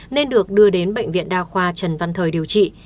nên được đưa đến bệnh viện đa khoa trần văn thời điều trị